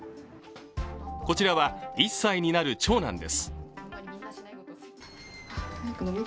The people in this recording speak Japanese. こちらは１歳になる長男です。